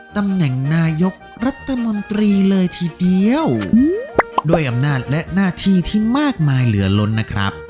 ตำแหน่งนายกรัฐมนตรีเลยทีเดียวด้วยอำนาจและหน้าที่ที่มากมายเหลือล้นนะครับ